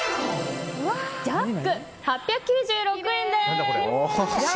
ジャック、８９６円です。